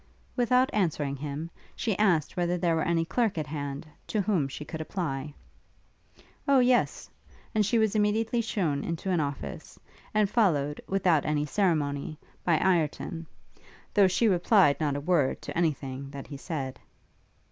Without answering him, she asked whether there were any clerk at hand, to whom she could apply? Oh, yes! and she was immediately shewn into an office, and followed, without any ceremony, by Ireton, though she replied not a word to any thing that he said.